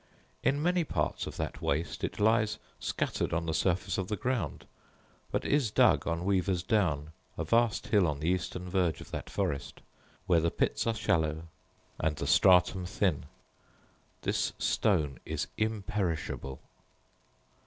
In many parts of that waste it lies scattered on the surface of the ground; but is dug on Weaver's down, a vast hill on the eastern verge of that forest, where the pits are shallow, and the stratum thin. This stone is imperishable.